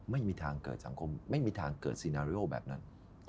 ไม่มีทางเกิดสินาเรียลแบบนั้น